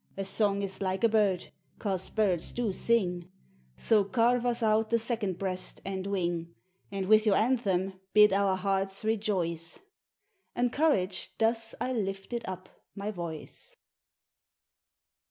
A song is like a bird—'cos birds do sing— So carve us out the second breast and wing; And with your anthem bid our hearts rejoice:" Encouraged thus I lifted up my voice.